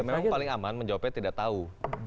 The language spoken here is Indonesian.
memang paling aman menjawabnya tidak tahu